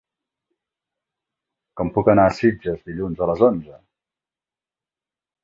Com puc anar a Sitges dilluns a les onze?